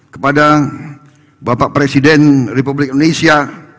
kepada bapak presiden republik indonesia